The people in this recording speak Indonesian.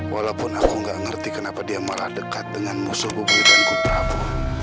walaupun aku gak ngerti kenapa dia malah dekat dengan musuh bubu dan kutraku